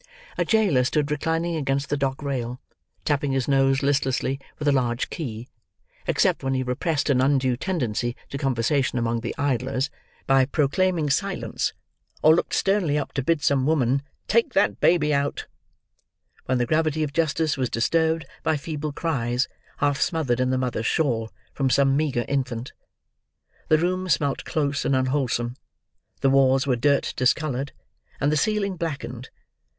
A jailer stood reclining against the dock rail, tapping his nose listlessly with a large key, except when he repressed an undue tendency to conversation among the idlers, by proclaiming silence; or looked sternly up to bid some woman "Take that baby out," when the gravity of justice was disturbed by feeble cries, half smothered in the mother's shawl, from some meagre infant. The room smelt close and unwholesome; the walls were dirt discoloured; and the ceiling blackened.